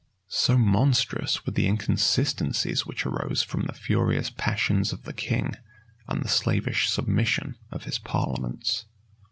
So monstrous were the inconsistencies which arose from the furious passions of the king and the slavish submission of his parliaments.